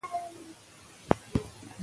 که میندې دلته پاتې شي نو نسل به نه ورکيږي.